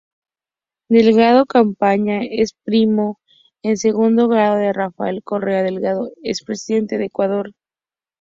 Delgado Campaña es primo en segundo grado de Rafael Correa Delgado, expresidente de Ecuador.